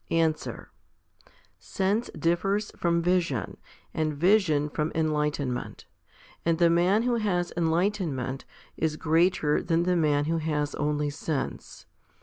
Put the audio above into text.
Answer. Sense differs from vision,, and vision from en lightenment ; and the man who has enlightenment is greater than the man who has only sense.